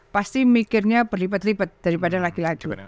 pasti mikirnya berlipat lipat daripada lagi laju